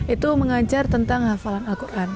itu mengajar tentang hafalan al quran